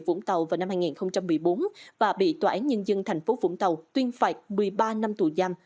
vũng tàu vào năm hai nghìn một mươi bốn và bị tòa án nhân dân thành phố vũng tàu tuyên phạt một mươi ba năm tù giam